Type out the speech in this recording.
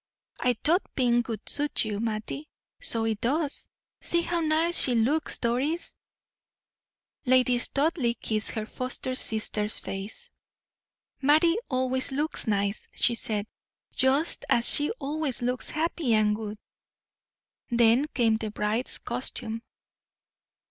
"I thought pink would suit you, Mattie; so it does. See how nice she looks, Doris." Lady Studleigh kissed her foster sister's face. "Mattie always looks nice," she said, "just as she always looks happy and good." Then came the bride's costume.